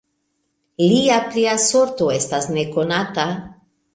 Lia plia sorto estas nekonata.